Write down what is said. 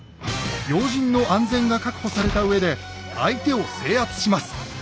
要人の安全が確保されたうえで相手を制圧します。